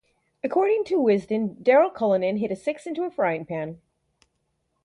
According to Wisden, Daryll Cullinan hit a six into a frying pan.